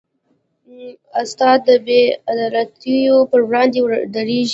استاد د بېعدالتیو پر وړاندې دریږي.